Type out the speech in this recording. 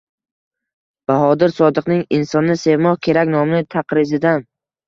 Bahodir Sodiqning “Insonni sevmoq kerak” nomli taqrizidan: